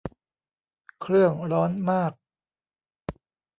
เครื่องร้อนมาก